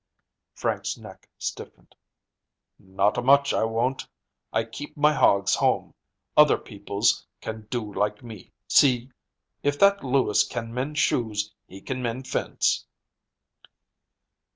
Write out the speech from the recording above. Frank's neck stiffened. "Not a much, I won't. I keep my hogs home. Other peoples can do like me. See? If that Louis can mend shoes, he can mend fence."